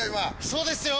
そうですよ。